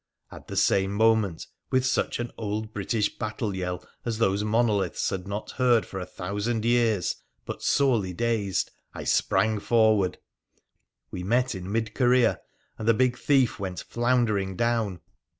At the same moment, with such an old British battle yell as those monoliths had not heard for a thousand years, 2,0 WONDERFUL ADVENTURES OF but sorely dazed, I sprang forward. We met in mid career, and the big thief went floundering down.